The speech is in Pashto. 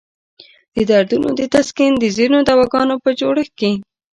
د دردونو د تسکین د ځینو دواګانو په جوړښت کې.